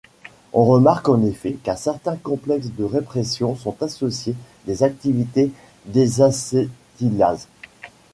On remarque en effet qu'à certains complexes de répression sont associées des activités désacétylases.